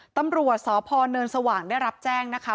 ตำรวจสพเนินสว่างได้รับแจ้งนะคะ